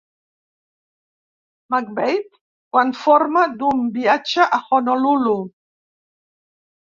McVeigh quan torna d'un viatge a Honolulu.